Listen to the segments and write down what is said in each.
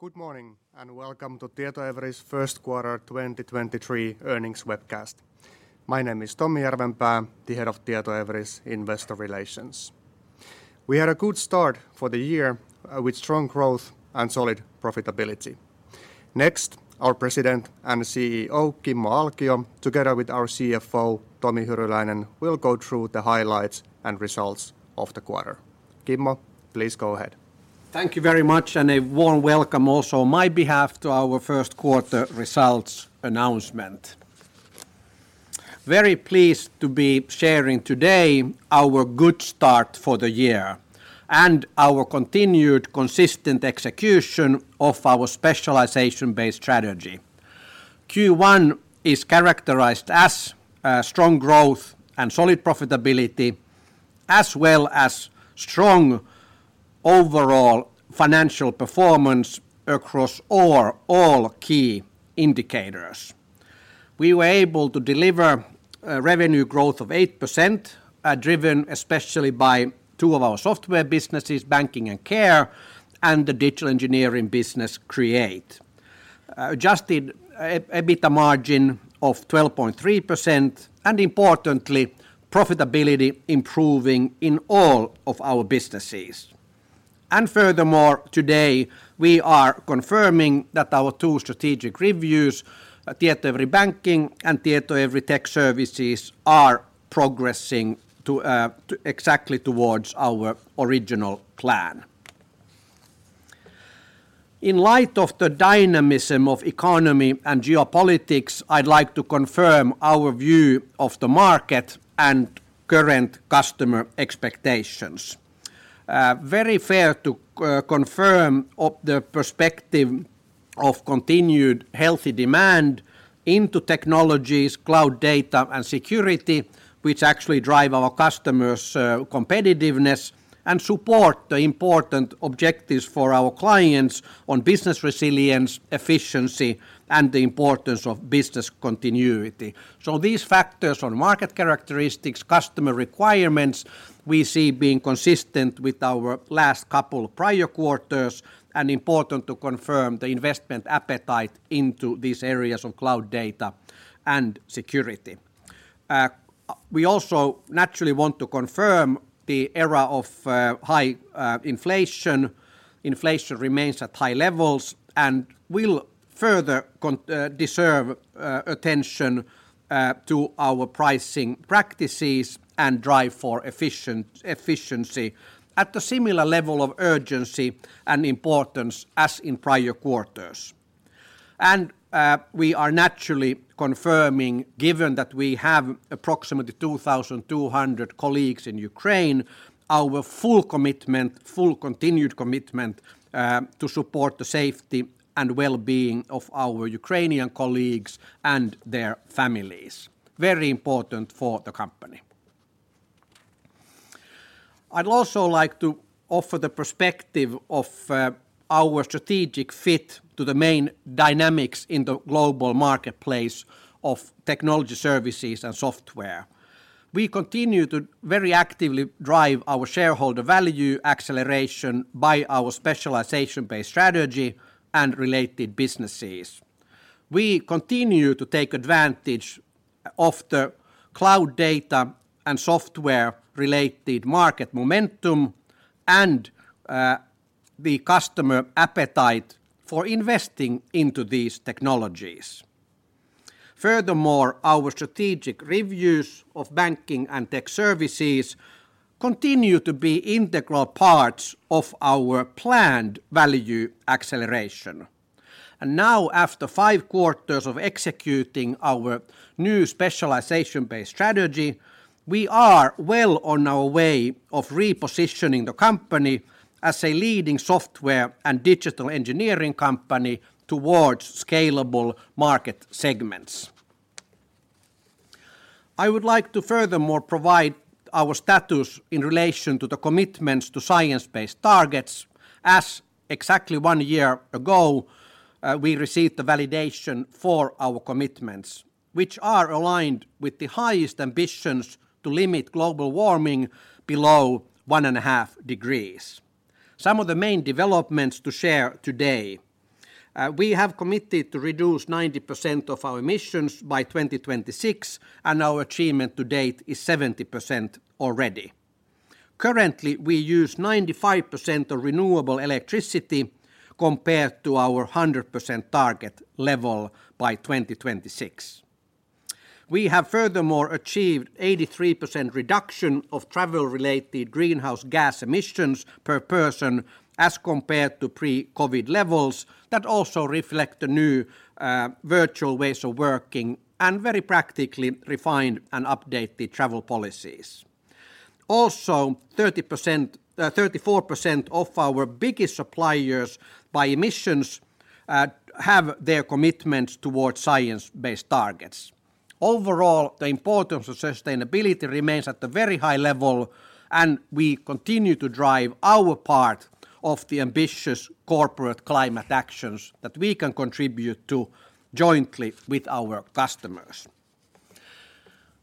Good morning, welcome to Tietoevry's first quarter 2023 earnings webcast. My name is Tommi Järvenpää, the head of Tietoevry's investor relations. We had a good start for the year, with strong growth and solid profitability. Our President and CEO, Kimmo Alkio, together with our CFO, Tomi Hyryläinen, will go through the highlights and results of the quarter. Kimmo, please go ahead. Than you very much. A warm welcome also on my behalf to our first quarter results announcement. Very pleased to be sharing today our good start for the year and our continued consistent execution of our specialization-based strategy. Q1 is characterized as a strong growth and solid profitability, as well as strong overall financial performance across all key indicators. We were able to deliver a revenue growth of 8%, driven especially by two of our software businesses, banking and care, and the digital engineering business Create. Adjusted EBITA margin of 12.3%, importantly, profitability improving in all of our businesses. Furthermore, today, we are confirming that our two strategic reviews, Tietoevry Banking and Tietoevry Tech Services, are progressing exactly towards our original plan. In light of the dynamism of economy and geopolitics, I'd like to confirm our view of the market and current customer expectations. very fair to confirm of the perspective of continued healthy demand into technologies, cloud data and security, which actually drive our customers' competitiveness and support the important objectives for our clients on business resilience, efficiency, and the importance of business continuity. These factors on market characteristics, customer requirements, we see being consistent with our last couple prior quarters and important to confirm the investment appetite into these areas on cloud data and security. We also naturally want to confirm the era of high inflation. Inflation remains at high levels and will further deserve attention to our pricing practices and drive for efficiency at a similar level of urgency and importance as in prior quarters. We are naturally confirming, given that we have approximately 2,200 colleagues in Ukraine, our full commitment, full continued commitment to support the safety and well-being of our Ukrainian colleagues and their families. Very important for the company. I'd also like to offer the perspective of our strategic fit to the main dynamics in the global marketplace of technology services and software. We continue to very actively drive our shareholder value acceleration by our specialization-based strategy and related businesses. We continue to take advantage of the cloud data and software-related market momentum and the customer appetite for investing into these technologies. Furthermore, our strategic reviews of Tietoevry Banking and Tietoevry Tech Services continue to be integral parts of our planned value acceleration. Now, after five quarters of executing our new specialization-based strategy, we are well on our way of repositioning the company as a leading software and digital engineering company towards scalable market segments. I would like to furthermore provide our status in relation to the commitments to Science Based Targets as exactly one year ago, we received the validation for our commitments, which are aligned with the highest ambitions to limit global warming below 1.5 degrees. Some of the main developments to share today, we have committed to reduce 90% of our emissions by 2026, and our achievement to date is 70% already. Currently, we use 95% of renewable electricity compared to our 100% target level by 2026. We have furthermore achieved 83% reduction of travel-related greenhouse gas emissions per person as compared to pre-COVID levels that also reflect the new virtual ways of working and very practically refined and updated travel policies. 34% of our biggest suppliers by emissions have their commitments towards Science Based Targets. Overall, the importance of sustainability remains at a very high level, and we continue to drive our part of the ambitious corporate climate actions that we can contribute to jointly with our customers.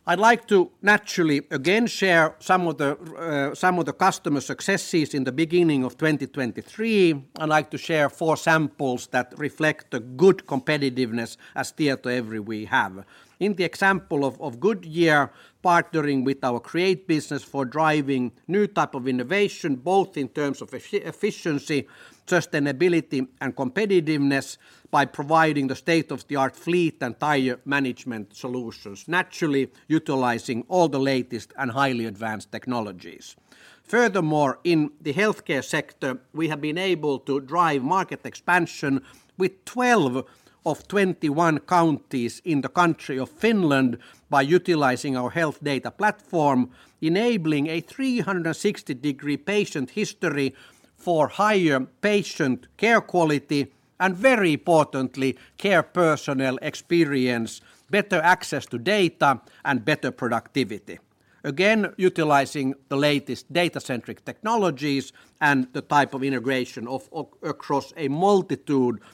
I'd like to naturally again share some of the customer successes in the beginning of 2023. I'd like to share four samples that reflect the good competitiveness as Tietoevry we have. In the example of Goodyear partnering with our Create business for driving new type of innovation, both in terms of efficiency, sustainability, and competitiveness by providing the state-of-the-art fleet and tire management solutions, naturally utilizing all the latest and highly advanced technologies. Furthermore, in the healthcare sector, we have been able to drive market expansion with 12 of 21 counties in the country of Finland by utilizing our health data platform, enabling a 360-degree patient history for higher patient care quality and very importantly, care personnel experience, better access to data and better productivity. Again, utilizing the latest data-centric technologies and the type of integration of across a multitude of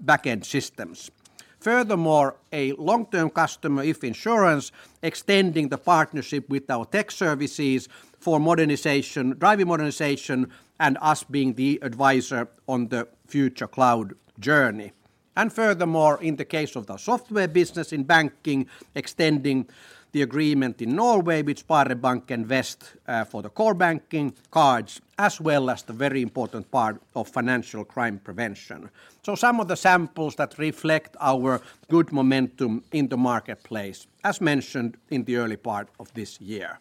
back-end systems. Furthermore, a long-term customer, If Insurance, extending the partnership with our Tech Services for modernization, driving modernization, and us being the advisor on the future cloud journey. Furthermore, in the case of the software business in banking, extending the agreement in Norway with SpareBank 1, for the core banking cards, as well as the very important part of financial crime prevention. Some of the samples that reflect our good momentum in the marketplace, as mentioned in the early part of this year.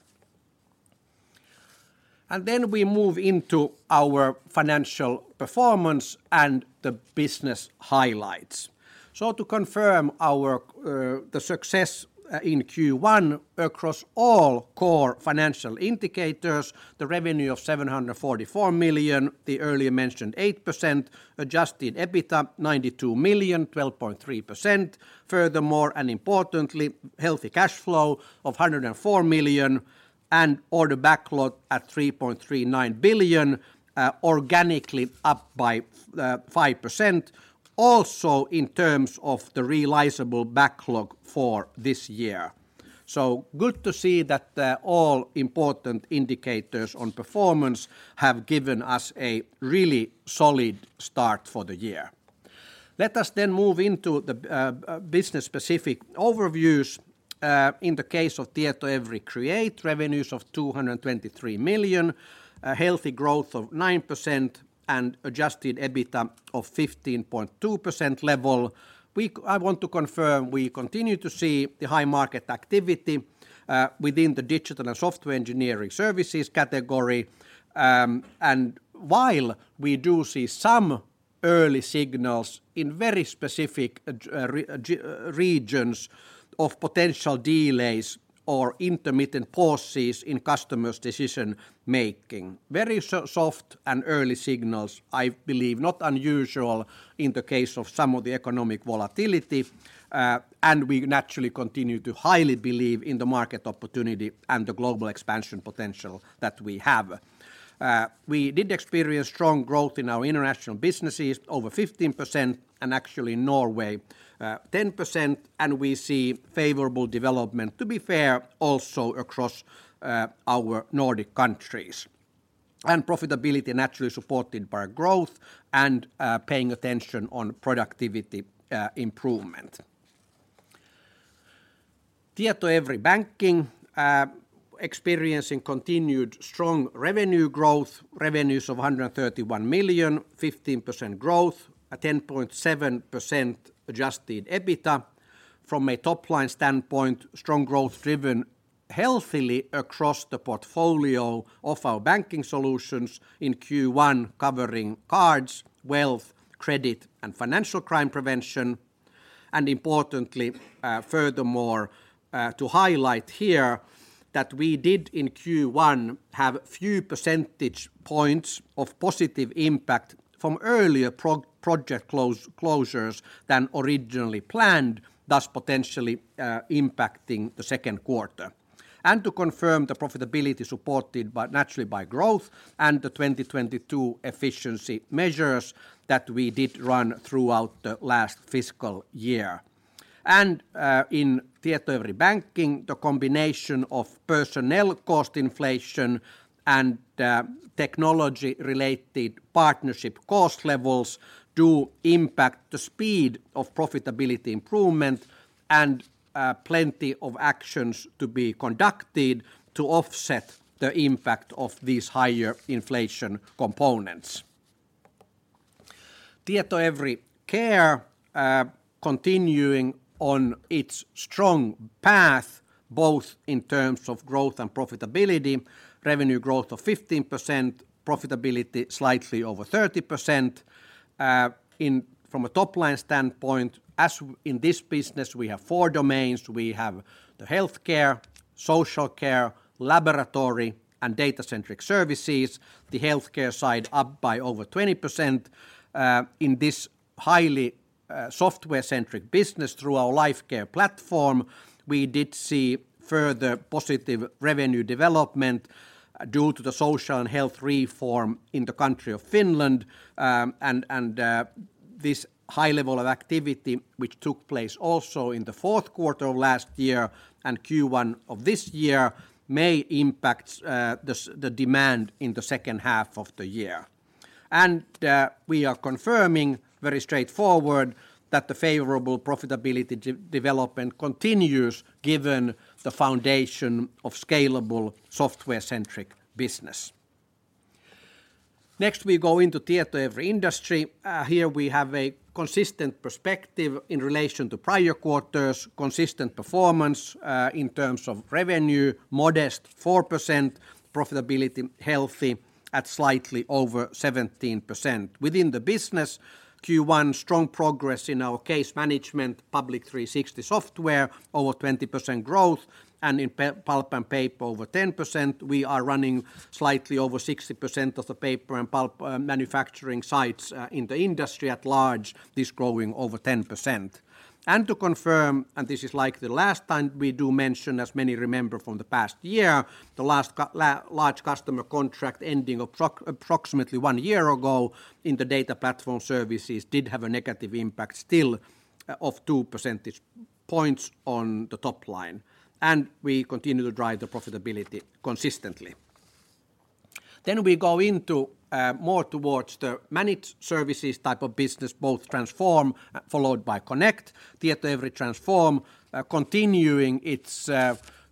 Then we move into our financial performance and the business highlights. To confirm our the success in Q1 across all core financial indicators, the revenue of 744 million, the earlier mentioned 8%, adjusted EBITDA 92 million, 12.3%. Furthermore, and importantly, healthy cash flow of 104 million and order backlog at 3.39 billion, organically up by 5%, also in terms of the realizable backlog for this year. Good to see that all important indicators on performance have given us a really solid start for the year. Let us move into the business-specific overviews. In the case of Tietoevry Create, revenues of 223 million, a healthy growth of 9%, and adjusted EBITDA of 15.2% level. I want to confirm we continue to see the high market activity within the digital and software engineering services category. While we do see some early signals in very specific regions of potential delays or intermittent pauses in customers' decision making. Very soft and early signals, I believe not unusual in the case of some of the economic volatility, and we naturally continue to highly believe in the market opportunity and the global expansion potential that we have. We did experience strong growth in our international businesses, over 15%, actually in Norway, 10%, and we see favorable development, to be fair, also across our Nordic countries. Profitability naturally supported by growth and paying attention on productivity improvement. Tietoevry Banking experiencing continued strong revenue growth, revenues of 131 million, 15% growth, a 10.7% adjusted EBITDA. From a top-line standpoint, strong growth driven healthily across the portfolio of our banking solutions in Q1 covering cards, wealth, credit, and financial crime prevention. Importantly, furthermore, to highlight here that we did in Q1 have a few percentage points of positive impact from earlier pro-project close-closures than originally planned, thus potentially impacting the second quarter. To confirm the profitability supported by, naturally by growth and the 2022 efficiency measures that we did run throughout the last fiscal year. In Tietoevry Banking, the combination of personnel cost inflation and technology-related partnership cost levels do impact the speed of profitability improvement and plenty of actions to be conducted to offset the impact of these higher inflation components. Tietoevry Care continuing on its strong path, both in terms of growth and profitability, revenue growth of 15%, profitability slightly over 30%. In from a top-line standpoint, as in this business, we have four domains. We have the healthcare, social care, laboratory, and data-centric services. The healthcare side up by over 20%. In this highly software-centric business through our Lifecare platform, we did see further positive revenue development due to the social and health reform in the country of Finland, and this high level of activity, which took place also in the fourth quarter of last year and Q1 of this year, may impact the demand in the second half of the year. We are confirming very straightforward that the favorable profitability development continues given the foundation of scalable software-centric business. Next, we go into Tietoevry Industry. Here we have a consistent perspective in relation to prior quarters, consistent performance in terms of revenue, modest 4% profitability, healthy at slightly over 17%. Within the business, Q1 strong progress in our case management, Public360 software, over 20% growth, and in pulp and paper over 10%. We are running slightly over 60% of the paper and pulp manufacturing sites in the industry at large. To confirm, and this is like the last time we do mention, as many remember from the past year, the last large customer contract ending approximately one year ago in the data platform services did have a negative impact still of two percentage points on the top line, and we continue to drive the profitability consistently. We go into more towards the managed services type of business, both Tietoevry Transform followed by Tietoevry Connect. Tietoevry Transform continuing its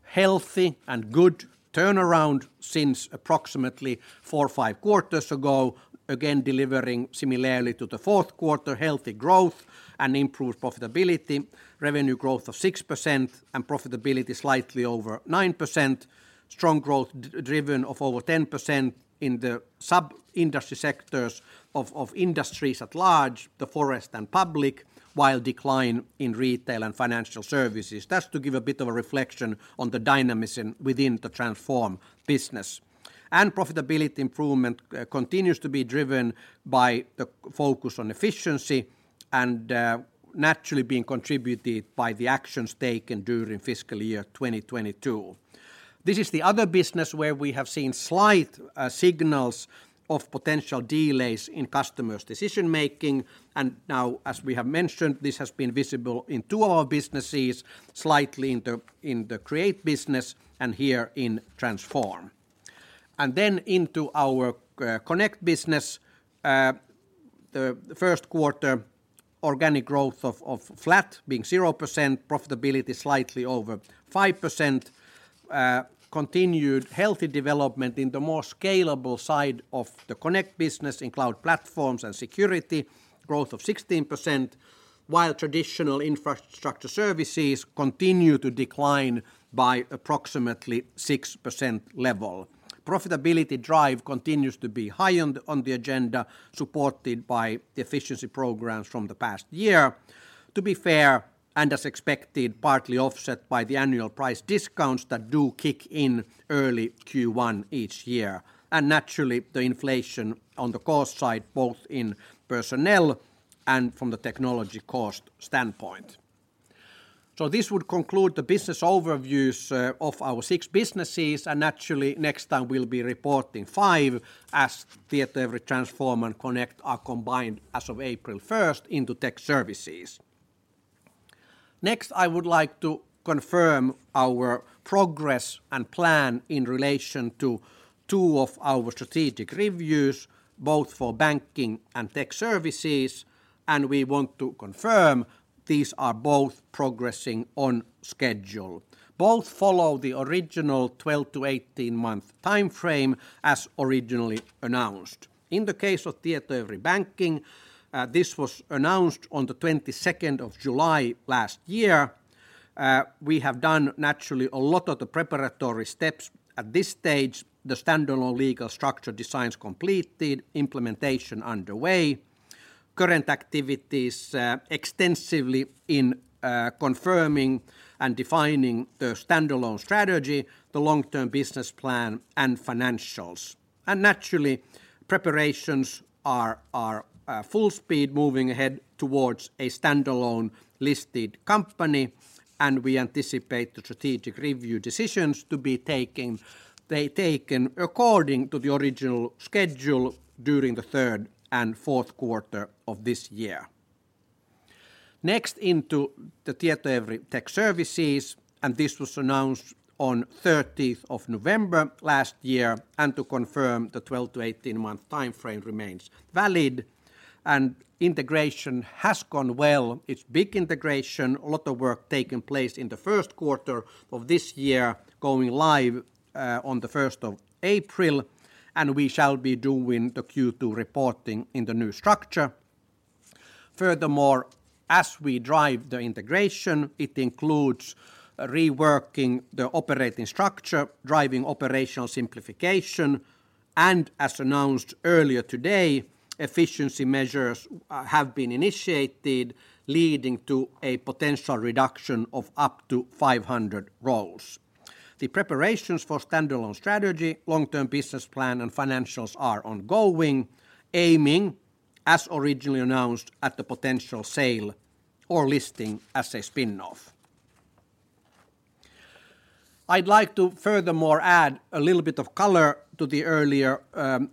healthy and good turnaround since approximately four or five quarters ago, again delivering similarly to the fourth quarter healthy growth and improved profitability, revenue growth of 6% and profitability slightly over 9%. Strong growth driven of over 10% in the sub-industry sectors of industries at large, the forest and public, while decline in retail and financial services. That's to give a bit of a reflection on the dynamics within the Transform business. Profitability improvement continues to be driven by the focus on efficiency and naturally being contributed by the actions taken during fiscal year 2022. This is the other business where we have seen slight signals of potential delays in customers' decision-making. Now, as we have mentioned, this has been visible in two of our businesses, slightly in the, in the Create business and here in Transform. Into our Tietoevry Connect business, the first quarter organic growth of flat being 0%, profitability slightly over 5%, continued healthy development in the more scalable side of the Tietoevry Connect business in cloud platforms and security, growth of 16%, while traditional infrastructure services continue to decline by approximately 6% level. Profitability drive continues to be high on the agenda, supported by efficiency programs from the past year. To be fair, and as expected, partly offset by the annual price discounts that do kick in early Q1 each year, and naturally the inflation on the cost side, both in personnel and from the technology cost standpoint. This would conclude the business overviews of our six businesses, and naturally next time we'll be reporting five as Tietoevry Transform and Tietoevry Connect are combined as of April 1st into Tietoevry Tech Services. Next, I would like to confirm our progress and plan in relation to two of our strategic reviews, both for Banking and Tech Services. We want to confirm these are both progressing on schedule. Both follow the original 12-18-month timeframe as originally announced. In the case of Tietoevry Banking, this was announced on the 22nd of July last year. We have done naturally a lot of the preparatory steps at this stage. The standalone legal structure design's completed. Implementation underway. Current activities extensively in confirming and defining the standalone strategy, the long-term business plan and financials. Naturally, preparations are full speed moving ahead towards a standalone listed company. We anticipate the strategic review decisions to be taken according to the original schedule during the 3rd and 4th quarter of this year. Next, into the Tietoevry Tech Services, this was announced on 13th of November last year, to confirm the 12-18-month timeframe remains valid. Integration has gone well. It's big integration, a lot of work taking place in the first quarter of this year, going live on the first of April, we shall be doing the Q2 reporting in the new structure. Furthermore, as we drive the integration, it includes reworking the operating structure, driving operational simplification, as announced earlier today, efficiency measures have been initiated, leading to a potential reduction of up to 500 roles. The preparations for standalone strategy, long-term business plan and financials are ongoing, aiming, as originally announced, at the potential sale or listing as a spin-off. I'd like to furthermore add a little bit of color to the earlier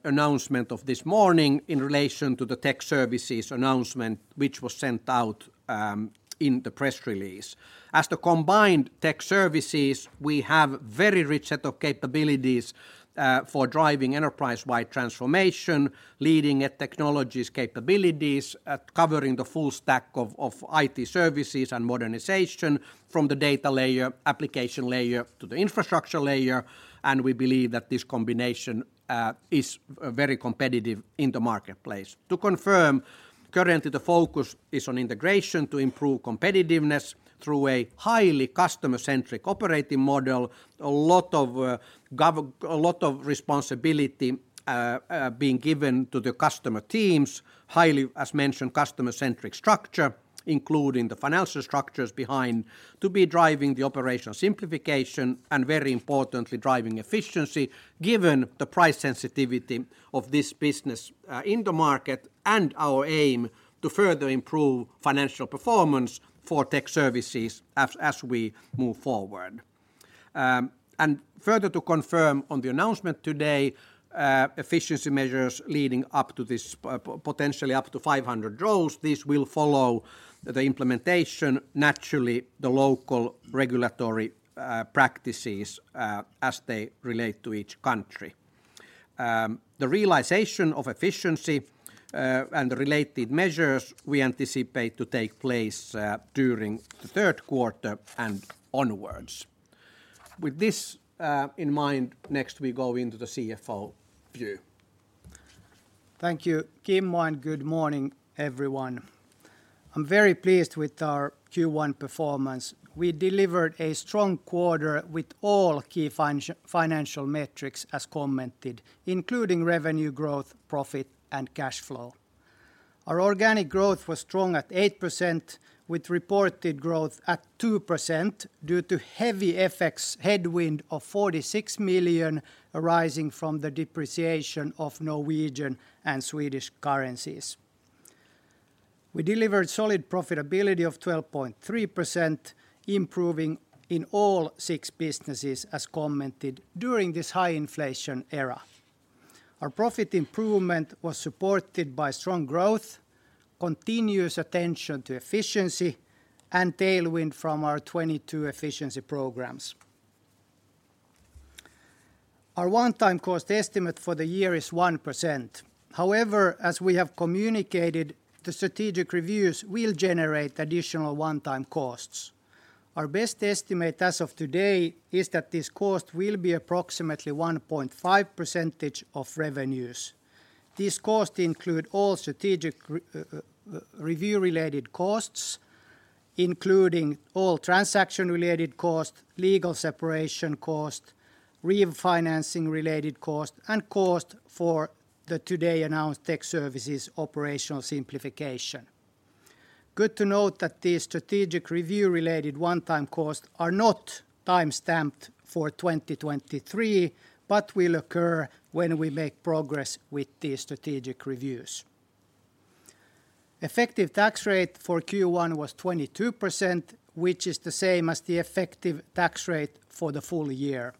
announcement of this morning in relation to the Tech Services announcement which was sent out in the press release. As the combined Tech Services, we have very rich set of capabilities for driving enterprise-wide transformation, leading at technologies capabilities at covering the full stack of IT services and modernization from the data layer, application layer to the infrastructure layer, and we believe that this combination is very competitive in the marketplace. To confirm, currently the focus is on integration to improve competitiveness through a highly customer-centric operating model. A lot of responsibility being given to the customer teams, highly, as mentioned, customer-centric structure, including the financial structures behind to be driving the operational simplification and, very importantly, driving efficiency given the price sensitivity of this business in the market and our aim to further improve financial performance for Tech Services as we move forward. Further to confirm on the announcement today, efficiency measures leading up to this potentially up to 500 roles. This will follow the implementation, naturally, the local regulatory practices as they relate to each country. The realization of efficiency and the related measures we anticipate to take place during the third quarter and onwards. With this in mind, next we go into the CFO view. Thank you, Kimmo, and good morning, everyone. I'm very pleased with our Q1 performance. We delivered a strong quarter with all key financial metrics as commented, including revenue growth, profit, and cash flow. Our organic growth was strong at 8% with reported growth at 2% due to heavy FX headwind of 46 million arising from the depreciation of Norwegian and Swedish currencies. We delivered solid profitability of 12.3%, improving in all six businesses as commented during this high inflation era. Our profit improvement was supported by strong growth, continuous attention to efficiency, and tailwind from our 2022 efficiency programs. Our one-time cost estimate for the year is 1%. As we have communicated, the strategic reviews will generate additional one-time costs. Our best estimate as of today is that this cost will be approximately 1.5% of revenues. These costs include all strategic review-related costs, including all transaction-related costs, legal separation costs, refinancing-related costs, and costs for the today announced Tech Services operational simplification. Good to note that the strategic review-related one-time costs are not timestamped for 2023 but will occur when we make progress with the strategic reviews. Effective tax rate for Q1 was 22%, which is the same as the effective tax rate for the full year.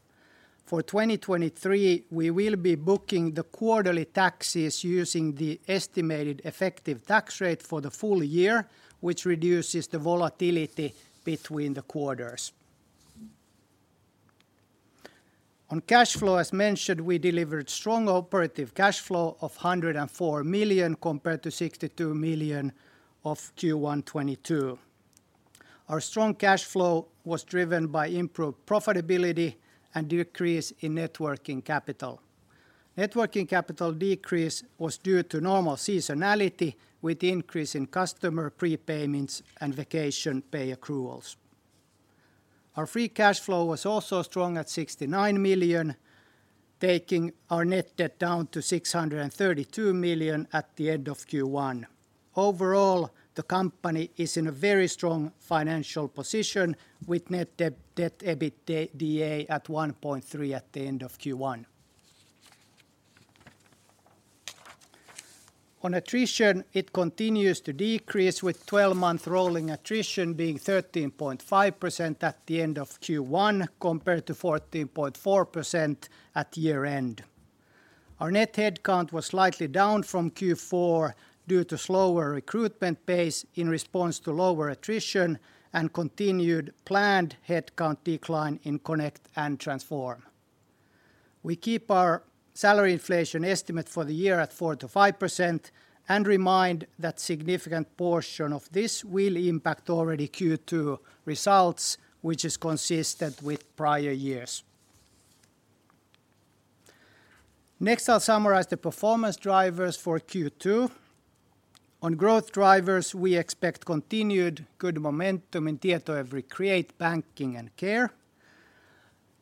For 2023, we will be booking the quarterly taxes using the estimated effective tax rate for the full year, which reduces the volatility between the quarters. On cash flow, as mentioned, we delivered strong operative cash flow of 104 million compared to 62 million of Q1 2022. Our strong cash flow was driven by improved profitability and decrease in net working capital. Net working capital decrease was due to normal seasonality with increase in customer prepayments and vacation pay accruals. Our free cash flow was also strong at 69 million, taking our net debt down to 632 million at the end of Q1. The company is in a very strong financial position with net debt/EBITDA at 1.3 at the end of Q1. On attrition, it continues to decrease, with 12-month rolling attrition being 13.5% at the end of Q1 compared to 14.4% at year-end. Our net headcount was slightly down from Q4 due to slower recruitment pace in response to lower attrition and continued planned headcount decline in Connect and Transform. We keep our salary inflation estimate for the year at 4%-5%. We remind that significant portion of this will impact already Q2 results, which is consistent with prior years. Next, I'll summarize the performance drivers for Q2. On growth drivers, we expect continued good momentum in Tietoevry Create, Banking, and Care.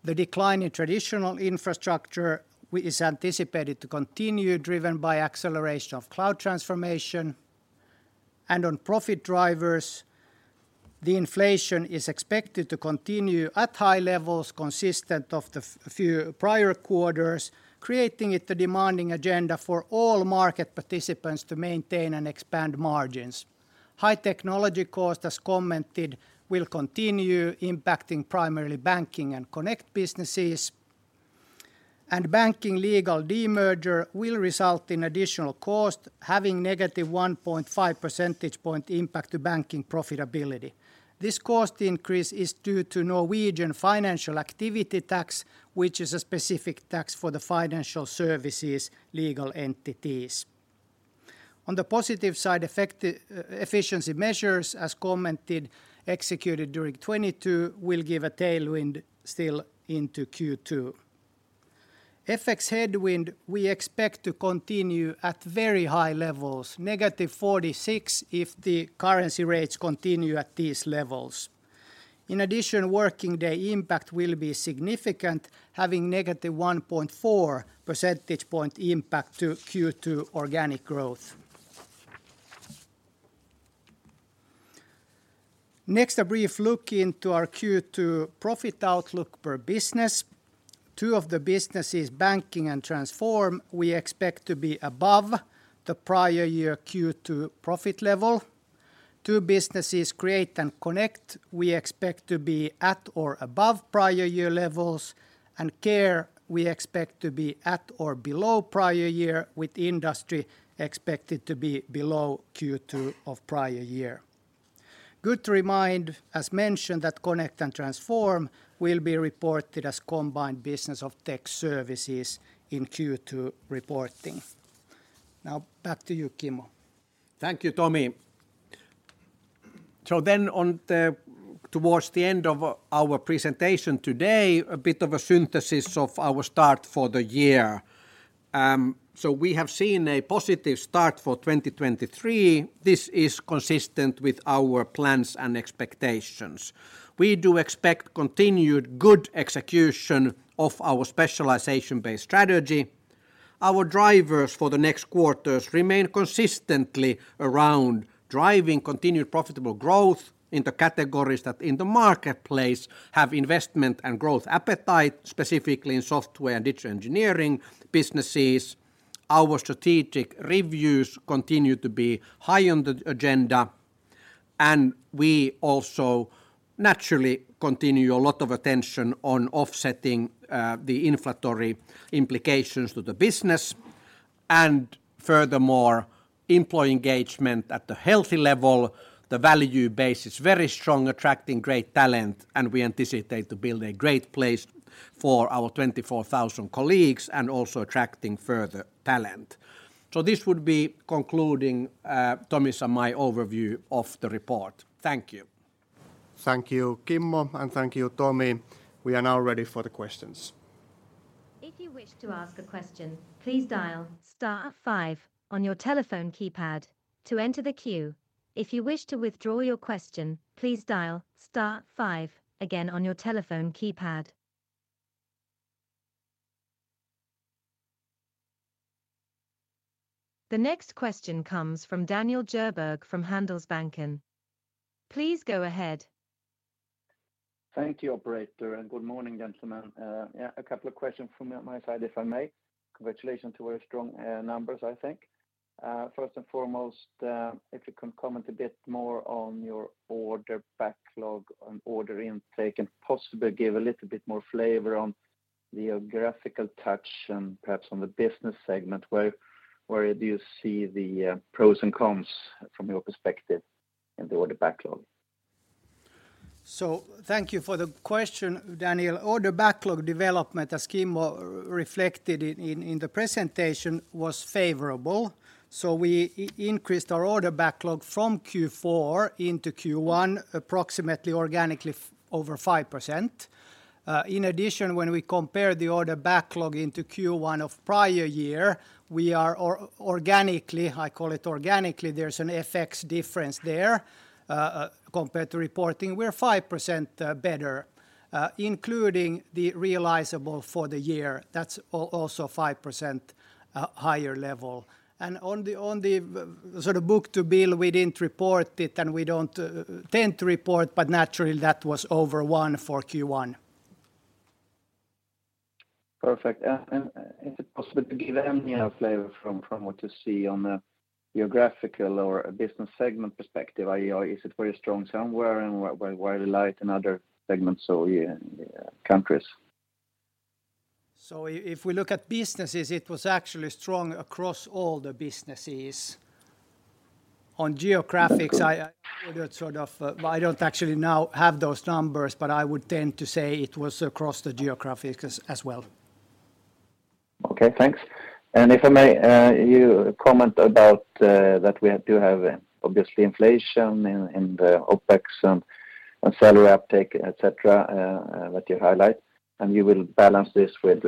The decline in traditional infrastructure is anticipated to continue, driven by acceleration of cloud transformation. On profit drivers, the inflation is expected to continue at high levels consistent of the few prior quarters, creating it a demanding agenda for all market participants to maintain and expand margins. High technology cost, as commented, will continue impacting primarily Banking and Connect businesses. Banking legal demerger will result in additional cost having negative 1.5 percentage point impact to Banking profitability. This cost increase is due to Norwegian financial activity tax, which is a specific tax for the financial services legal entities. On the positive side, effective efficiency measures as commented executed during 2022 will give a tailwind still into Q2. FX headwind we expect to continue at very high levels, -46 million if the currency rates continue at these levels. Working day impact will be significant, having -1.4 percentage point impact to Q2 organic growth. A brief look into our Q2 profit outlook per business. Two of the businesses, Tietoevry Banking and Tietoevry Transform, we expect to be above the prior year Q2 profit level. Two businesses, Tietoevry Create and Tietoevry Connect, we expect to be at or above prior year levels. Tietoevry Care we expect to be at or below prior year with Tietoevry Industry expected to be below Q2 of prior year. Good to remind, as mentioned, that Connect and Transform will be reported as combined business of Tech Services in Q2 reporting. Now back to you, Kimmo. Thank you, Tomi. On towards the end of our presentation today, a bit of a synthesis of our start for the year. We have seen a positive start for 2023. This is consistent with our plans and expectations. We do expect continued good execution of our specialization-based strategy. Our drivers for the next quarters remain consistently around driving continued profitable growth in the categories that in the marketplace have investment and growth appetite, specifically in software and digital engineering businesses. Our strategic reviews continue to be high on the agenda, and we also naturally continue a lot of attention on offsetting the inflationary implications to the business and furthermore employee engagement at the healthy level. The value base is very strong, attracting great talent, and we anticipate to build a great place for our 24,000 colleagues and also attracting further talent. This would be concluding, Tomi's and my overview of the report. Thank you. Thank you, Kimmo, and thank you, Tomi. We are now ready for the questions. If you wish to ask a question, please dial star five on your telephone keypad to enter the queue. If you wish to withdraw your question, please dial star five again on your telephone keypad. The next question comes from Daniel Djurberg from Handelsbanken. Please go ahead. Thank you, operator, and good morning, gentlemen. Yeah, a couple of questions from my side if I may. Congratulations to very strong numbers, I think. First and foremost, if you can comment a bit more on your order backlog and order intake and possibly give a little bit more flavor on the geographical touch and perhaps on the business segment. Where do you see the pros and cons from your perspective in the order backlog? Thank you for the question, Daniel. Order backlog development, as Kimmo reflected in the presentation, was favorable. We increased our order backlog from Q4 into Q1 approximately organically over 5%. In addition, when we compare the order backlog into Q1 of prior year, we are organically, I call it organically, there's an FX difference there compared to reporting, we're 5% better, including the realizable for the year. That's also 5% higher level. On the sort of book-to-bill, we didn't report it, and we don't tend to report, but naturally that was over one for Q1. Perfect. Is it possible to give any flavor from what you see on the geographical or business segment perspective? Or is it very strong somewhere and wide and light in other segments or countries? If we look at businesses, it was actually strong across all the businesses. On geographics, I ordered sort of, but I don't actually now have those numbers, but I would tend to say it was across the geographics as well. Okay, thanks. If I may, you comment about that we have to have obviously inflation in the OpEx and salary uptake, et cetera, that you highlight, and you will balance this with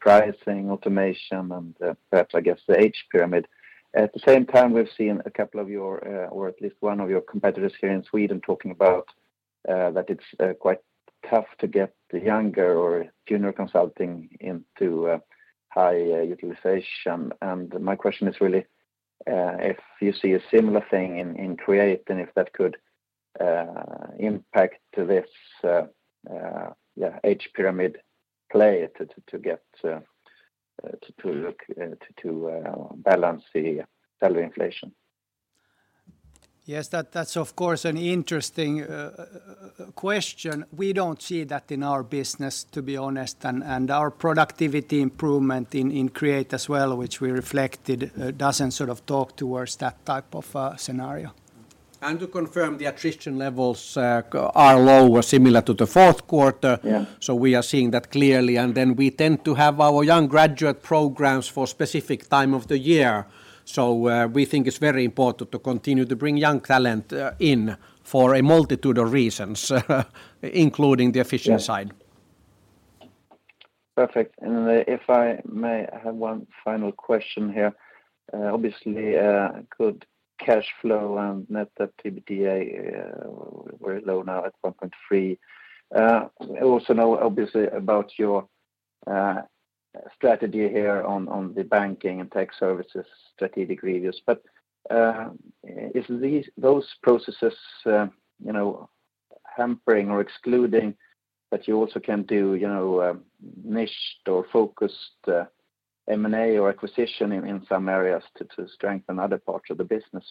pricing, automation and perhaps I guess the age pyramid. At the same time, we've seen a couple of your or at least one of your competitors here in Sweden talking about that it's quite tough to get the younger or junior consulting into high utilization. My question is really, if you see a similar thing in Create than if that could impact to this yeah, age pyramid play to get to look to balance the salary inflation. Yes, that's of course an interesting question. We don't see that in our business, to be honest. Our productivity improvement in Create as well, which we reflected, doesn't sort of talk towards that type of scenario. To confirm the attrition levels, are low or similar to the fourth quarter. Yeah. We are seeing that clearly. We tend to have our young graduate programs for specific time of the year. We think it's very important to continue to bring young talent in for a multitude of reasons, including the efficiency side. Yeah. Perfect. If I may, I have one final question here. obviously, good cash flow and net activity were low now at 1.3. I also know obviously about your strategy here on the Banking and Tech Services strategic reviews. Are those processes, you know, hampering or excluding that you also can do, you know, niched or focused M&A or acquisition in some areas to strengthen other parts of the business?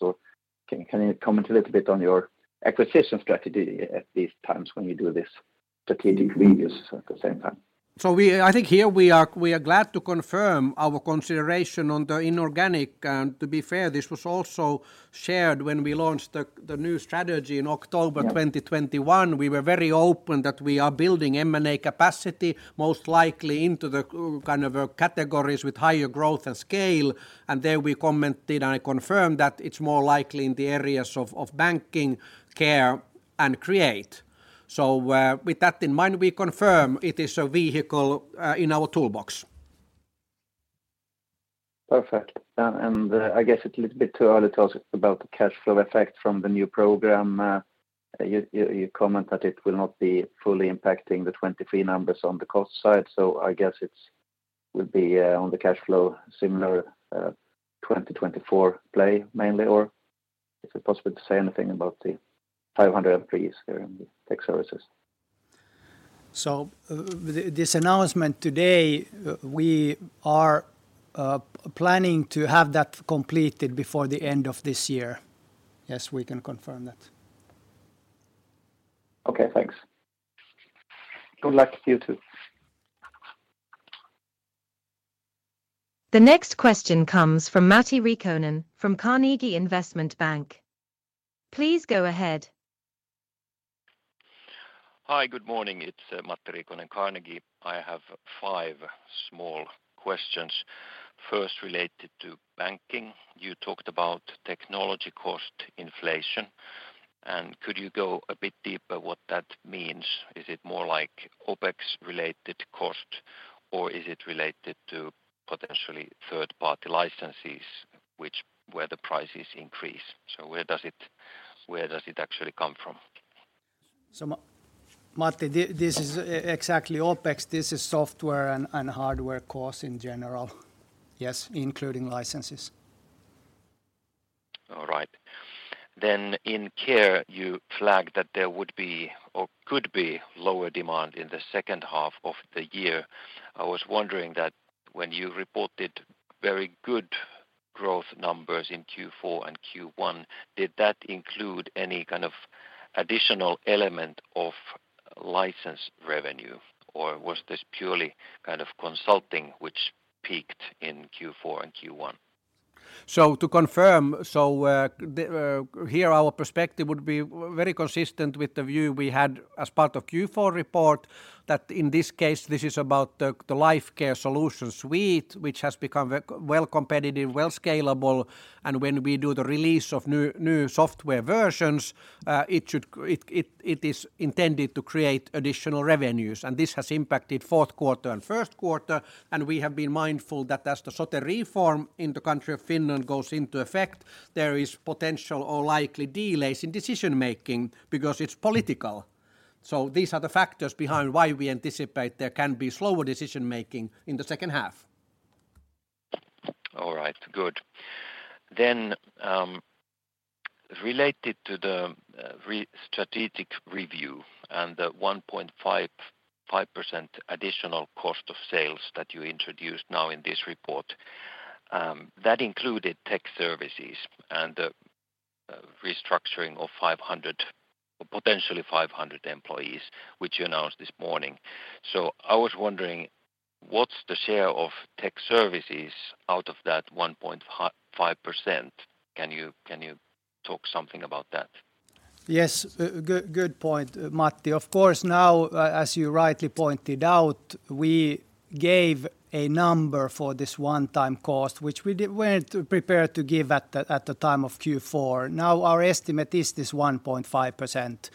Can you comment a little bit on your acquisition strategy at these times when you do this strategic reviews at the same time? I think here we are, we are glad to confirm our consideration on the inorganic. To be fair, this was also shared when we launched the new strategy in October 2021. Yeah. We were very open that we are building M&A capacity, most likely into the kind of categories with higher growth and scale. There we commented and I confirm that it's more likely in the areas of Banking, Care, and Create. With that in mind, we confirm it is a vehicle in our toolbox. Perfect. I guess it's a little bit too early to ask about the cash flow effect from the new program. you comment that it will not be fully impacting the 2023 numbers on the cost side. I guess it's would be on the cash flow similar 2024 play mainly, or is it possible to say anything about the 500 employees there in the Tietoevry Tech Services? This announcement today, we are planning to have that completed before the end of this year. Yes, we can confirm that. Okay, thanks. Good luck to you too. The next question comes from Matti Riikonen from Carnegie Investment Bank. Please go ahead. Hi, good morning. It's Matti Riikonen, Carnegie. I have five small questions. First related to banking. You talked about technology cost inflation. Could you go a bit deeper what that means? Is it more like OpEx related cost, or is it related to potentially third party licenses, which where the prices increase? Where does it actually come from? Matti, this is exactly OpEx. This is software and hardware costs in general. Yes, including licenses. All right. In Care, you flagged that there would be or could be lower demand in the second half of the year. I was wondering that when you reported very good growth numbers in Q4 and Q1, did that include any kind of additional element of license revenue, or was this purely kind of consulting which peaked in Q4 and Q1? To confirm, here our perspective would be very consistent with the view we had as part of Q4 report, that in this case this is about the Lifecare Solution suite, which has become well competitive, well scalable, and when we do the release of new software versions, it is intended to create additional revenues. This has impacted fourth quarter and first quarter, and we have been mindful that as the SOTE reform in the country of Finland goes into effect, there is potential or likely delays in decision-making because it's political. These are the factors behind why we anticipate there can be slower decision-making in the second half. All right. Good. Related to the strategic review and the 1.55% additional cost of sales that you introduced now in this report, that included Tech Services and the restructuring of 500 or potentially 500 employees, which you announced this morning. I was wondering what's the share of Tech Services out of that 1.55%? Can you talk something about that? Yes. good point, Matti. Of course, now, as you rightly pointed out, we gave a number for this one-time cost, which we weren't prepared to give at the, at the time of Q4. Now our estimate is this 1.5%,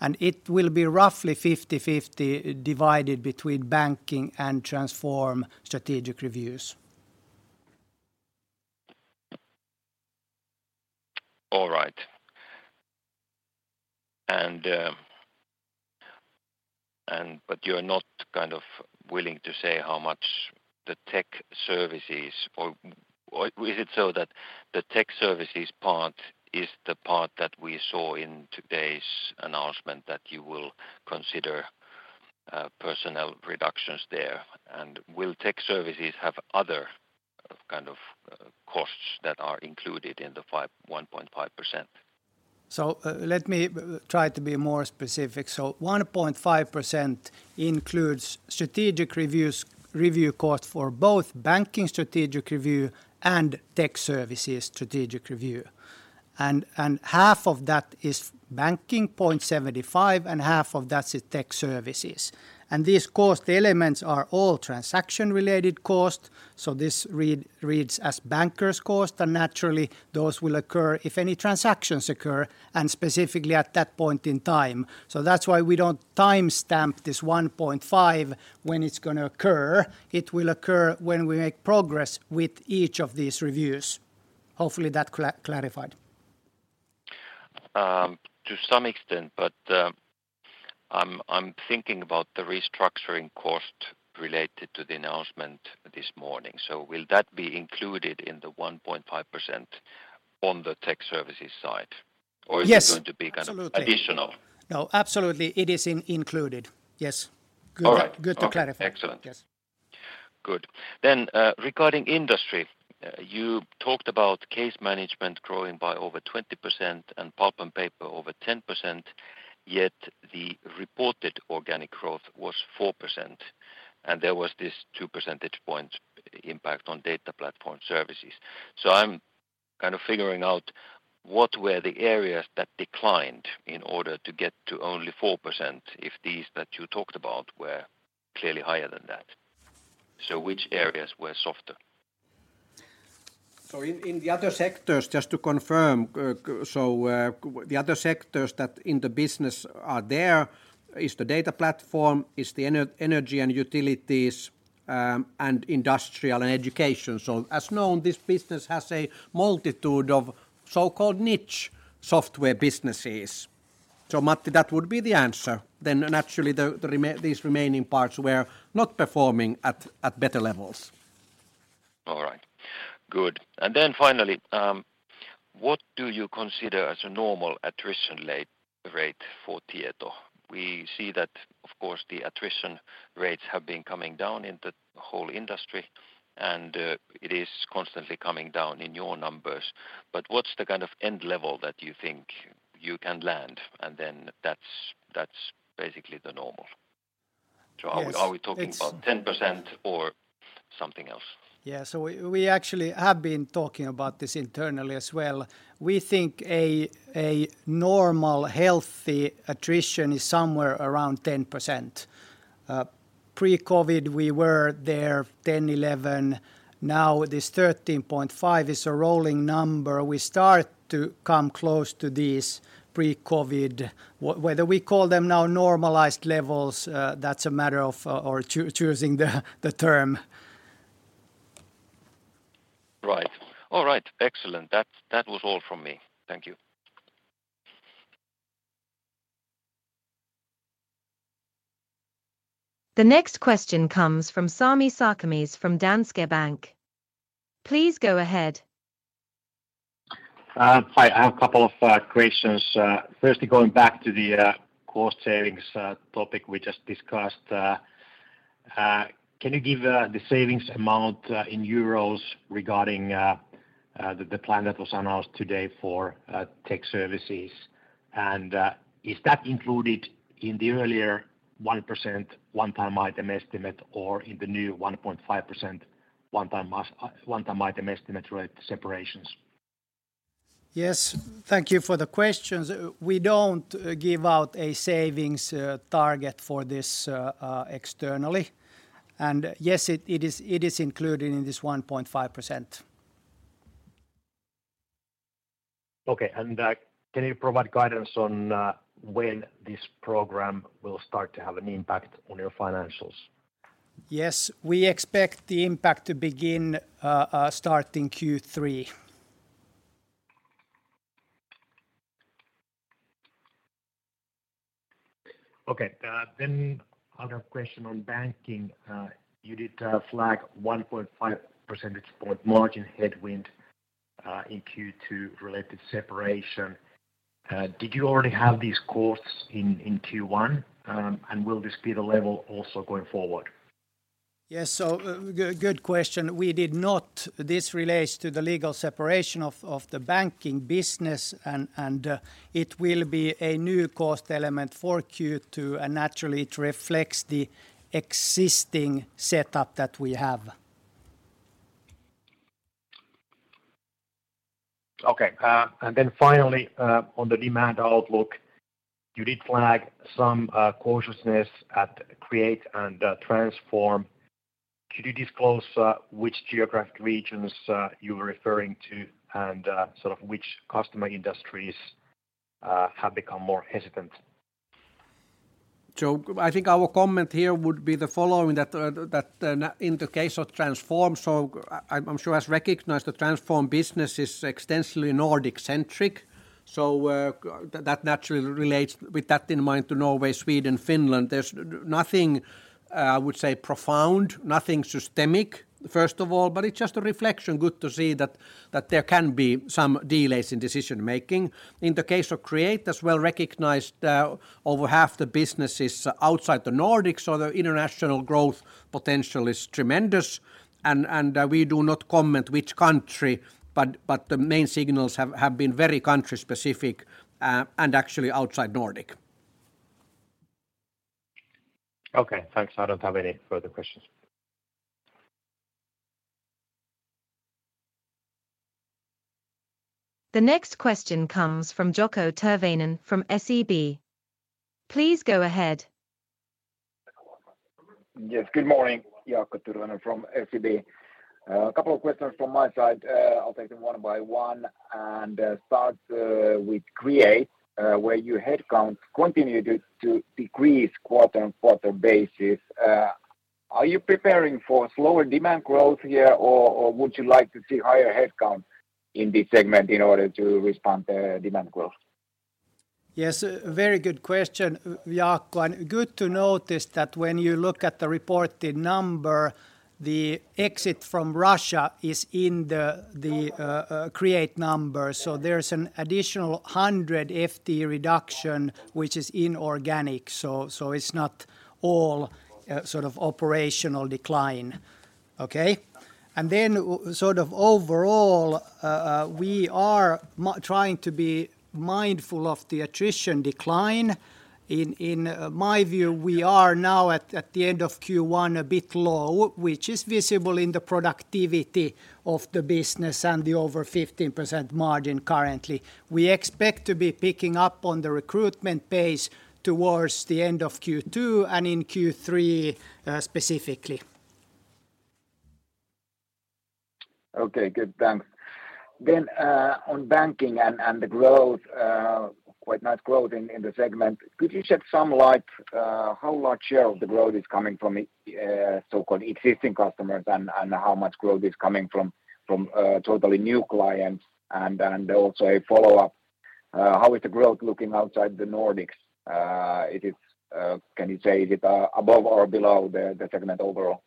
and it will be roughly 50/50 divided between banking and transform strategic reviews. All right. But you're not kind of willing to say how much the Tech Services or why is it so that the Tech Services part is the part that we saw in today's announcement that you will consider personnel reductions there? Will Tech Services have of kind of costs that are included in the 1.5%? Let me try to be more specific. 1.5% includes strategic reviews, review cost for both Tietoevry Banking strategic review and Tietoevry Tech Services strategic review, and half of that is Tietoevry Banking, 0.75%, and half of that's the Tietoevry Tech Services. These cost elements are all transaction related cost, so this reads as banker's cost, and naturally those will occur if any transactions occur, and specifically at that point in time. That's why we don't timestamp this 1.5% when it's gonna occur. It will occur when we make progress with each of these reviews. Hopefully that clarified. To some extent, but I'm thinking about the restructuring cost related to the announcement this morning. Will that be included in the 1.5% on the Tech Services side? Yes. is it going to be? Absolutely additional? No, absolutely it is included. Yes. Good, All right. Okay. good to clarify. Excellent. Yes. Good. Regarding industry, you talked about case management growing by over 20% and pulp and paper over 10%, yet the reported organic growth was 4%. There was this two percentage point impact on data platform services. I'm kind of figuring out what were the areas that declined in order to get to only 4% if these that you talked about were clearly higher than that. Which areas were softer? In the other sectors, just to confirm, the other sectors that in the business are there is the data platform, is the energy and utilities, and industrial and education. As known, this business has a multitude of so-called niche software businesses. Matti, that would be the answer. Naturally these remaining parts were not performing at better levels. All right. Good. Finally, what do you consider as a normal attrition rate for Tietoevry? We see that of course the attrition rates have been coming down in the whole industry, and, it is constantly coming down in your numbers, but what's the kind of end level that you think you can land, and then that's basically the normal? Yes. Are we talking about 10% or something else? We actually have been talking about this internally as well. We think a normal healthy attrition is somewhere around 10%. Pre-COVID we were there, 10%, 11%. Now this 13.5% is a rolling number. We start to come close to these pre-COVID, whether we call them now normalized levels, that's a matter of choosing the term. Right. All right. Excellent. That, that was all from me. Thank you. The next question comes from Sami Sarkamies from Danske Bank. Please go ahead. Hi. I have a couple of questions. Firstly, going back to the cost savings topic we just discussed. Can you give the savings amount in EUR regarding the plan that was announced today for Tietoevry Tech Services? Is that included in the earlier 1% one-time item estimate or in the new 1.5% one-time item estimate related to separations? Yes. Thank you for the questions. We don't give out a savings target for this externally. Yes, it is included in this 1.5%. Okay. can you provide guidance on when this program will start to have an impact on your financials? Yes, we expect the impact to begin, starting Q3. Okay. Other question on banking. You did flag 1.5 percentage point margin headwind in Q2 related to separation. Did you already have these costs in Q1? Will this be the level also going forward? Yes. Good question. We did not. This relates to the legal separation of the banking business and it will be a new cost element for Q2, and naturally it reflects the existing setup that we have. Okay. Then finally, on the demand outlook, you did flag some cautiousness at Create and Transform. Could you disclose which geographic regions you were referring to and sort of which customer industries have become more hesitant? I think our comment here would be the following that in the case of Transform, so sure has recognized the Transform business is extensively Nordic-centric, that naturally relates with that in mind to Norway, Sweden, Finland. There's nothing, I would say profound, nothing systemic, first of all, but it's just a reflection. Good to see that there can be some delays in decision-making. In the case of Create, as well recognized, over half the business is outside the Nordics, so the international growth potential is tremendous, and we do not comment which country, but the main signals have been very country-specific, and actually outside Nordic. Okay, thanks. I don't have any further questions. The next question comes from Jaakko Tyrväinen from SEB. Please go ahead. Yes. Good morning, Jaakko Tyrväinen from SEB. A couple of questions from my side. I'll take them one by one and start with Create, where your headcounts continued to decrease quarter-over-quarter basis. Are you preparing for slower demand growth here or would you like to see higher headcounts in this segment in order to respond to demand growth? Yes, a very good question, Jaakko, and good to notice that when you look at the reported number, the exit from Russia is in the Create numbers. There's an additional 100 FTE reduction which is inorganic. It's not all, sort of operational decline. Okay. Sort of overall, we are trying to be mindful of the attrition decline. In my view, we are now at the end of Q1 a bit low, which is visible in the productivity of the business and the over 15% margin currently. We expect to be picking up on the recruitment pace towards the end of Q2 and in Q3, specifically. Okay. Good. Thanks. On banking and the growth, quite nice growth in the segment. Could you shed some light, how large share of the growth is coming from so-called existing customers and how much growth is coming from totally new clients? Also a follow-up, how is the growth looking outside the Nordics? It is, can you say is it above or below the segment overall?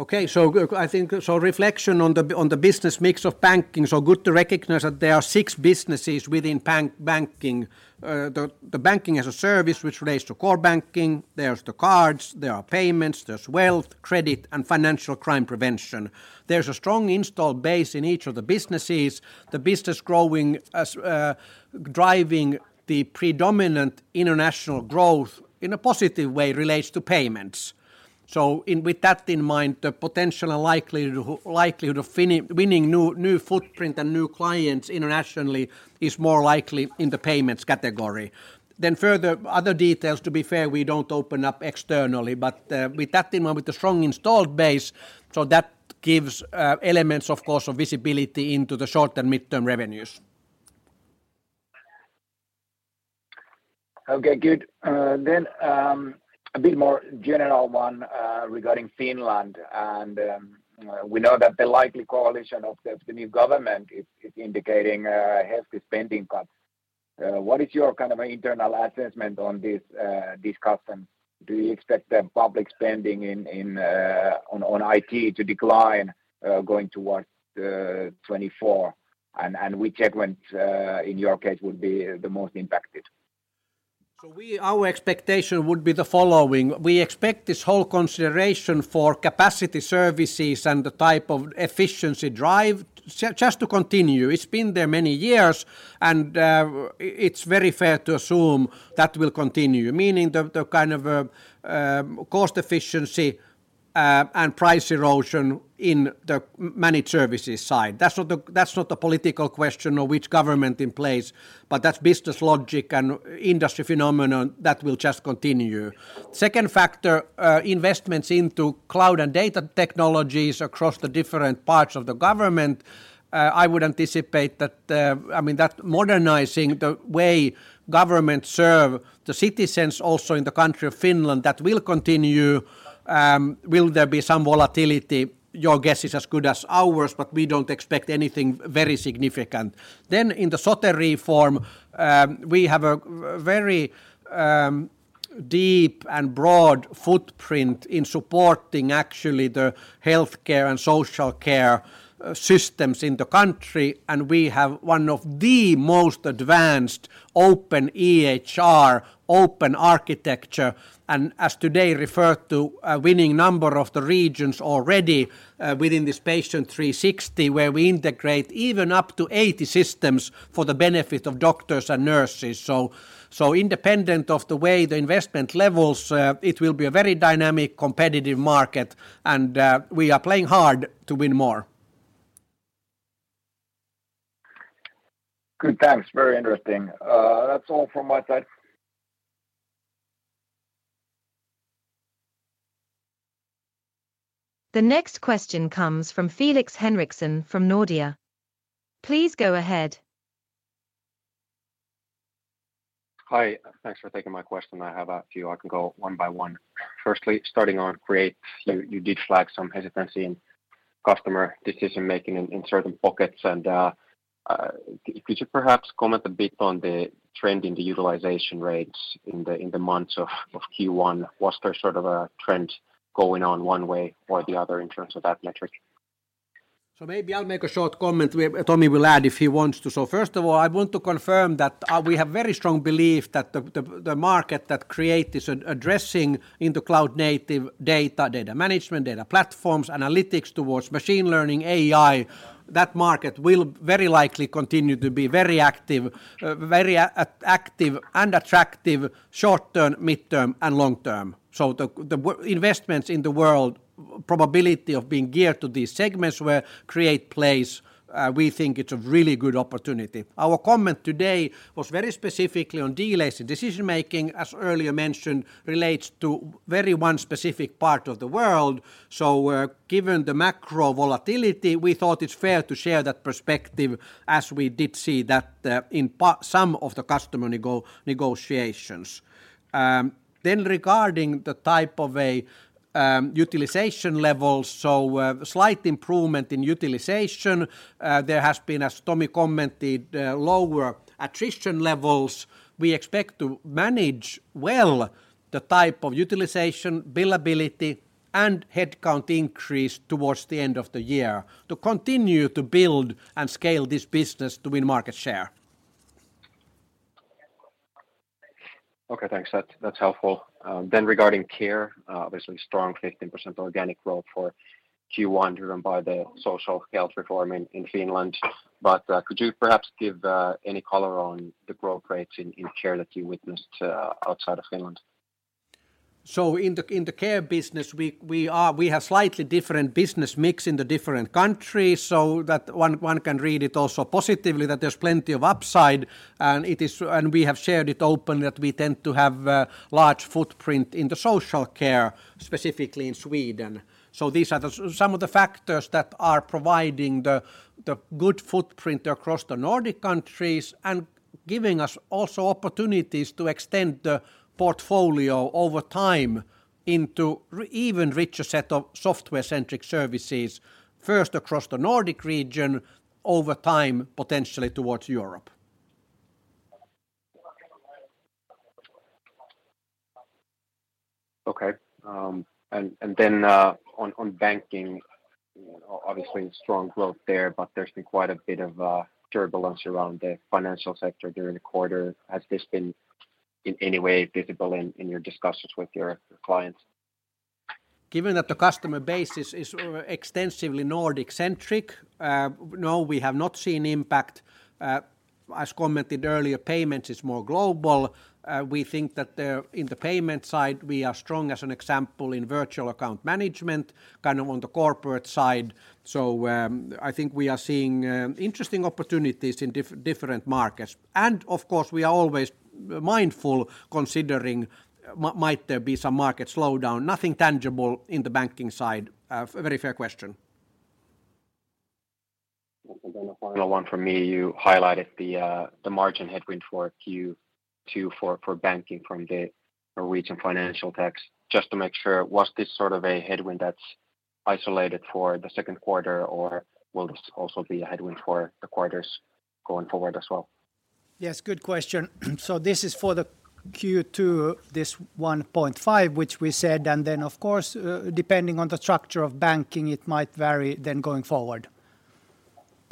Okay. I think, reflection on the business mix of banking. Good to recognize that there are six businesses within banking. The banking as a service which relates to core banking. There's the cards, there are payments, there's wealth, credit, and financial crime prevention. There's a strong installed base in each of the businesses. The business growing as driving the predominant international growth in a positive way relates to payments. With that in mind, the potential and likelihood of winning new footprint and new clients internationally is more likely in the payments category. Further other details, to be fair, we don't open up externally. With that in mind, with the strong installed base, so that gives elements of course of visibility into the short and midterm revenues. Okay. Good. A bit more general one regarding Finland, and we know that the likely coalition of the new government is indicating hefty spending cuts. What is your kind of internal assessment on this, these cuts, and do you expect the public spending on IT to decline going towards 2024? Which segment in your case would be the most impacted? Our expectation would be the following. We expect this whole consideration for capacity services and the type of efficiency drive just to continue. It's been there many years, and it's very fair to assume that will continue, meaning the kind of cost efficiency and price erosion in the managed services side. That's not the political question of which government in place, but that's business logic and industry phenomenon that will just continue. Second factor, investments into cloud and data technologies across the different parts of the government. I would anticipate that, I mean, that modernizing the way government serve the citizens also in the country of Finland, that will continue. Will there be some volatility? Your guess is as good as ours, but we don't expect anything very significant. In the SOTE reform, we have a very deep and broad footprint in supporting actually the healthcare and social care systems in the country, and we have one of the most advanced openEHR, open architecture, and as today referred to a winning number of the regions already within this Patient 360, where we integrate even up to 80 systems for the benefit of doctors and nurses. Independent of the way the investment levels, it will be a very dynamic, competitive market, and we are playing hard to win more. Good. Thanks. Very interesting. That's all from my side. The next question comes from Felix Henriksson from Nordea. Please go ahead. Hi. Thanks for taking my question. I have a few. I can go one by one. Firstly, starting on Create, you did flag some hesitancy in customer decision-making in certain pockets and could you perhaps comment a bit on the trend in the utilization rates in the months of Q1? Was there sort of a trend going on one way or the other in terms of that metric? Maybe I'll make a short comment. Tomi will add if he wants to. First of all, I want to confirm that we have very strong belief that the market that Tietoevry Create is addressing in the cloud native data management, data platforms, analytics towards machine learning, AI, that market will very likely continue to be very active and attractive short-term, midterm, and long term. The investments in the worldProbability of being geared to these segments where Tietoevry Create place, we think it's a really good opportunity. Our comment today was very specifically on delays in decision-making, as earlier mentioned, relates to very one specific part of the world. Given the macro volatility, we thought it's fair to share that perspective as we did see that in some of the customer negotiations. Regarding the type of a utilization level, slight improvement in utilization. There has been, as Tommy commented, lower attrition levels. We expect to manage well the type of utilization, billability, and headcount increase towards the end of the year to continue to build and scale this business to win market share. Okay, thanks. That's helpful. Regarding Care, obviously strong 15% organic growth for Q1 driven by the social health reform in Finland. Could you perhaps give any color on the growth rates in Care that you witnessed outside of Finland? In the Care business, we have slightly different business mix in the different countries, so that one can read it also positively that there's plenty of upside. We have shared it openly that we tend to have a large footprint in the social care, specifically in Sweden. These are some of the factors that are providing the good footprint across the Nordic countries and giving us also opportunities to extend the portfolio over time into even richer set of software-centric services, first across the Nordic region, over time, potentially towards Europe. Okay. Then, on banking, you know, obviously strong growth there, but there's been quite a bit of turbulence around the financial sector during the quarter. Has this been in any way visible in your discussions with your clients? Given that the customer base is extensively Nordic-centric, no, we have not seen impact. As commented earlier, payments is more global. We think that the in the payment side, we are strong, as an example, in virtual account management, kind of on the corporate side. I think we are seeing interesting opportunities in different markets. Of course, we are always mindful considering might there be some market slowdown. Nothing tangible in the banking side. Very fair question. The final one from me, you highlighted the margin headwind for Q2 for banking from the Norwegian financial activity tax. Just to make sure, was this sort of a headwind that's isolated for the second quarter or will this also be a headwind for the quarters going forward as well? Yes, good question. This is for the Q2, this 1.5 which we said. Of course, depending on the structure of banking, it might vary then going forward.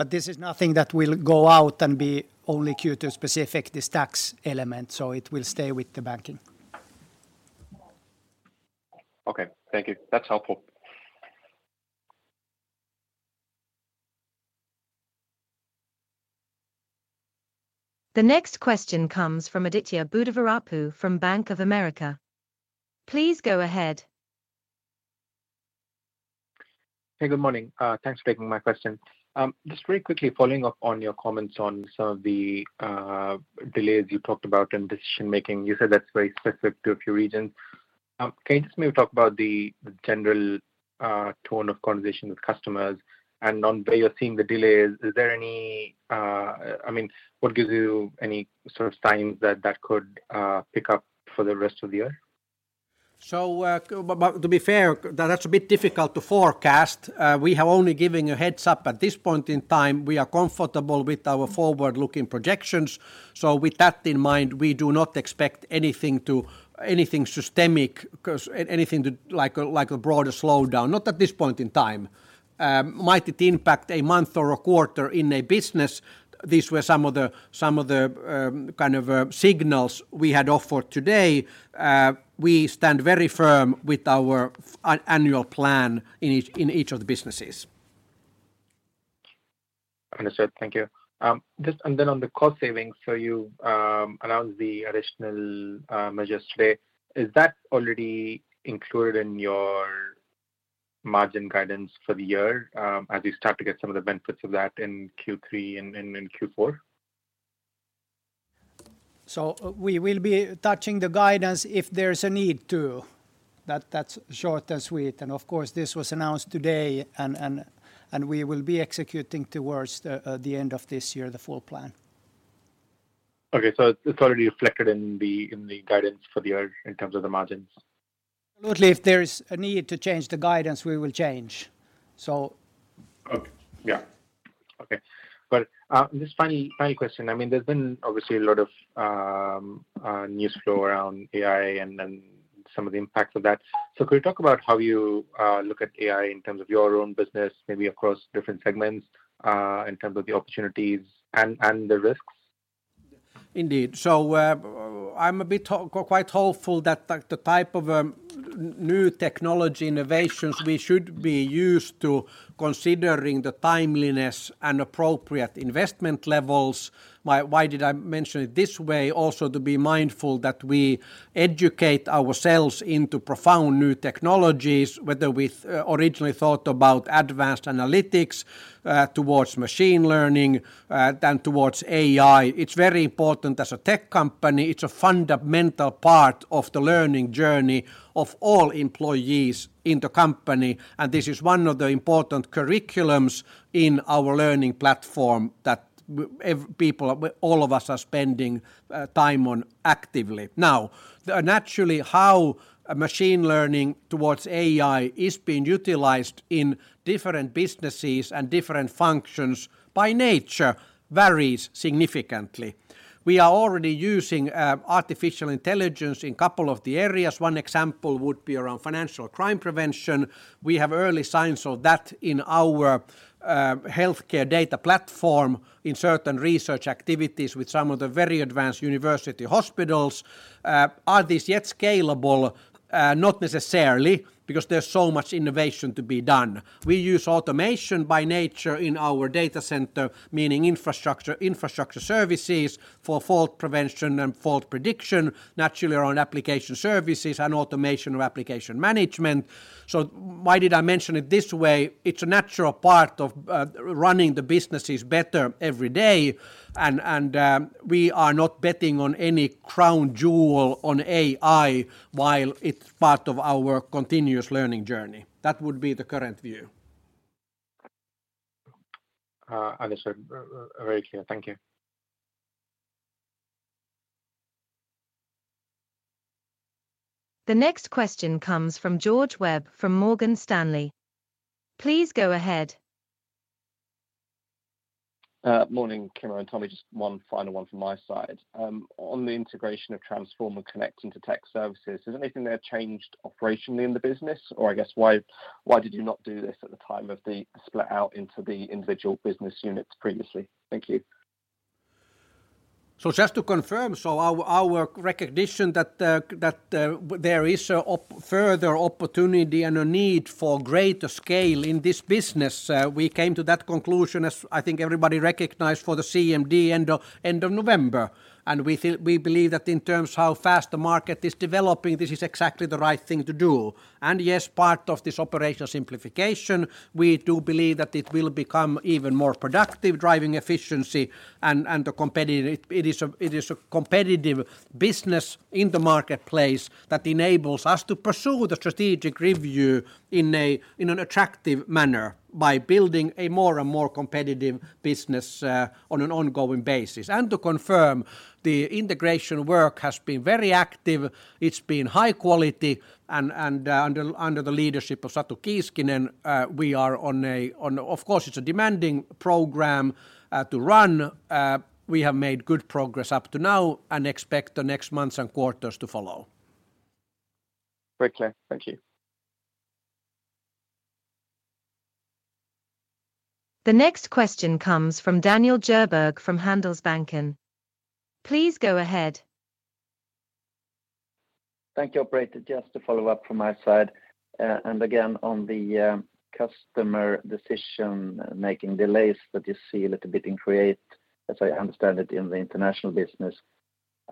This is nothing that will go out and be only Q2 specific, this tax element. It will stay with the banking. Okay. Thank you. That's helpful. The next question comes from Aditya Buddhavarapu from Bank of America. Please go ahead. Hey, good morning. Thanks for taking my question. Just very quickly following up on your comments on some of the delays you talked about in decision-making. You said that's very specific to a few regions. Can you just maybe talk about the general tone of conversation with customers? On where you're seeing the delays, I mean, what gives you any sort of signs that that could pick up for the rest of the year? To be fair, that's a bit difficult to forecast. We have only given a heads-up. At this point in time, we are comfortable with our forward-looking projections. With that in mind, we do not expect anything systemic, like a broader slowdown. Not at this point in time. Might it impact a month or a quarter in a business? These were some of the kind of signals we had offered today. We stand very firm with our annual plan in each of the businesses. Understood. Thank you. On the cost savings, so you announced the additional measures today. Is that already included in your margin guidance for the year, as you start to get some of the benefits of that in Q3 and Q4? We will be touching the guidance if there's a need to. That's short and sweet. Of course, this was announced today and we will be executing towards the end of this year, the full plan. Okay, it's already reflected in the, in the guidance for the year in terms of the margins? Absolutely. If there is a need to change the guidance, we will change. Okay. Yeah. Okay. Just final question. I mean, there's been obviously a lot of news flow around AI and then some of the impacts of that. Could you talk about how you look at AI in terms of your own business, maybe across different segments, in terms of the opportunities and the risks? Indeed. I'm a bit quite hopeful that the type of new technology innovations we should be used to considering the timeliness and appropriate investment levels. Why, why did I mention it this way? Also to be mindful that we educate ourselves into profound new technologies, whether we originally thought about advanced analytics towards machine learning then towards AI. It's very important as a tech company. It's a fundamental part of the learning journey of all employees in the company, and this is one of the important curriculums in our learning platform that all of us are spending time on actively. Naturally, how machine learning towards AI is being utilized in different businesses and different functions by nature varies significantly. We are already using artificial intelligence in 2 of the areas. One example would be around financial crime prevention. We have early signs of that in our healthcare data platform in certain research activities with some of the very advanced university hospitals. Are these yet scalable? Not necessarily because there's so much innovation to be done. We use automation by nature in our data center, meaning infrastructure services for fault prevention and fault prediction, naturally around application services and automation of application management. Why did I mention it this way? It's a natural part of running the businesses better every day and we are not betting on any crown jewel on AI while it's part of our continuous learning journey. That would be the current view. Understood. Very clear. Thank you. The next question comes from George Webb from Morgan Stanley. Please go ahead. Morning, Kimmo and Tommi. Just one final one from my side. On the integration of transformer connecting to Tech Services, is anything there changed operationally in the business? I guess why did you not do this at the time of the split out into the individual business units previously? Thank you. Just to confirm, our recognition that there is a further opportunity and a need for greater scale in this business, we came to that conclusion as I think everybody recognized for the CMD end of November. We believe that in terms how fast the market is developing, this is exactly the right thing to do. Yes, part of this operational simplification, we do believe that it will become even more productive driving efficiency and the competitive... It is a competitive business in the marketplace that enables us to pursue the strategic review in an attractive manner by building a more and more competitive business on an ongoing basis. To confirm, the integration work has been very active. It's been high quality and under the leadership of Satu Kiiskinen, we are on a. Of course, it's a demanding program to run. We have made good progress up to now and expect the next months and quarters to follow. Very clear. Thank you. The next question comes from Daniel Djurberg from Handelsbanken. Please go ahead. Thank you, operator. Just to follow up from my side, again on the customer decision-making delays that you see a little bit in Create, as I understand it, in the international business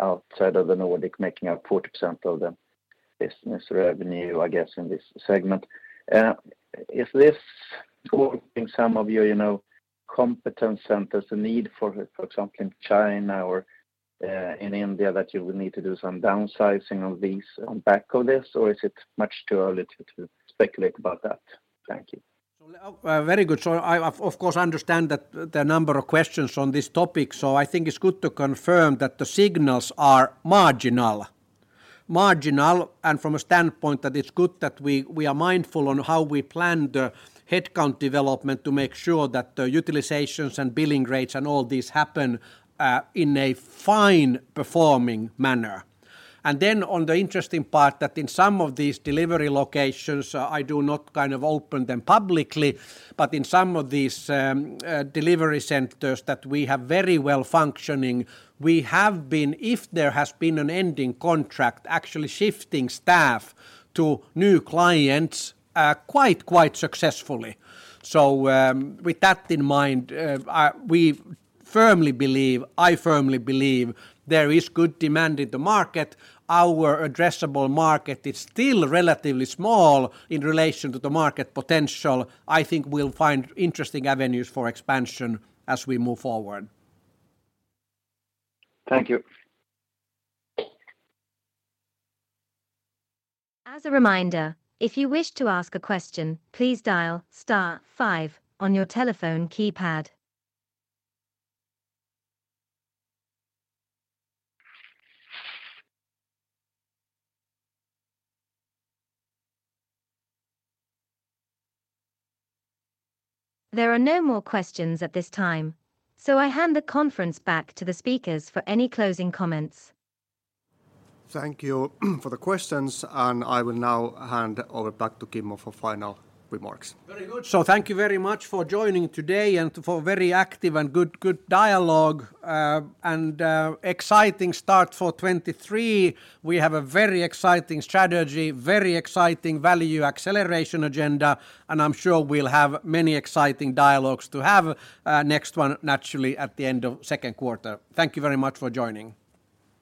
outside of the Nordic, making up 40% of the business revenue, I guess, in this segment. Is this causing some of your, you know, competence centers the need for example, in China or in India that you will need to do some downsizing of these on back of this? Or is it much too early to speculate about that? Thank you. Very good. I, of course, understand that the number of questions on this topic. I think it's good to confirm that the signals are marginal. Marginal, from a standpoint that it's good that we are mindful on how we plan the headcount development to make sure that the utilizations and billing rates and all this happen in a fine-performing manner. Then on the interesting part that in some of these delivery locations, I do not kind of open them publicly, but in some of these delivery centers that we have very well functioning, we have been, if there has been an ending contract, actually shifting staff to new clients quite successfully. With that in mind, we firmly believe, I firmly believe there is good demand in the market. Our addressable market is still relatively small in relation to the market potential. I think we'll find interesting avenues for expansion as we move forward. Thank you. As a reminder, if you wish to ask a question, please dial star five on your telephone keypad. There are no more questions at this time, I hand the conference back to the speakers for any closing comments. Thank you for the questions, and I will now hand over back to Kimmo for final remarks. Very good. Thank you very much for joining today and for very active and good dialogue, and exciting start for 2023. We have a very exciting strategy, very exciting value acceleration agenda, and I'm sure we'll have many exciting dialogues to have, next one naturally at the end of second quarter. Thank you very much for joining.